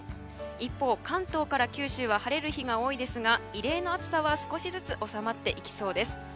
一方、関東から九州は晴れる日が多いですが異例の暑さは少しずつ収まっていきそうです。